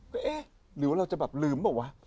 ก็เอ๊ะหรือว่าเราจะแบบลืมเปล่าวะ